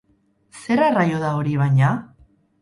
Zer arraio da hori, baina?